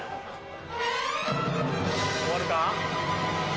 終わるか？